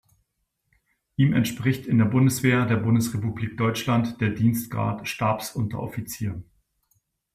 Ihm entspricht in der Bundeswehr der Bundesrepublik Deutschland der Dienstgrad Stabsunteroffizier.